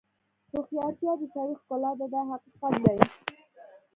هوښیارتیا د سړي ښکلا ده دا حقیقت دی.